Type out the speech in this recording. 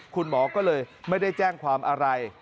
คุณหมอก็เลยไม่ได้แจ้งความอะไร